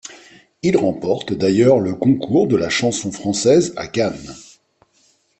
Il remporte d'ailleurs le concours de la chanson française à Cannes.